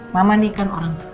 mama nih kan orang tua